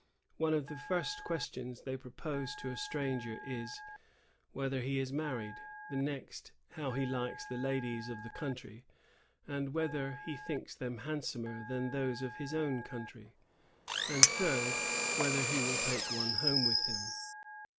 One of the first questions they propose to a stranger is, whether he is married; the next, how he likes the ladies of the country, and whether he thinks them handsomer than those of his own coimtry; and the third, whether he will take one home with him.